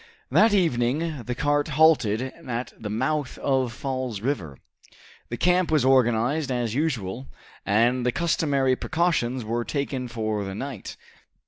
That evening the cart halted at the mouth of Falls River. The camp was organized as usual, and the customary precautions were taken for the night.